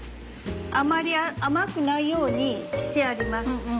あまり甘くないようにしてあります。